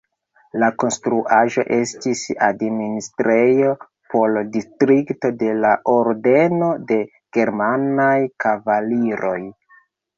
La konstruaĵo estis administrejo por distrikto de la Ordeno de germanaj kavaliroj.